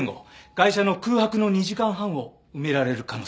ガイシャの空白の２時間半を埋められる可能性が。